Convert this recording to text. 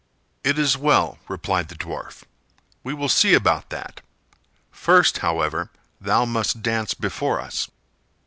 "It is well," replied the dwarf. "We will see about that. First, however, thou must dance before us.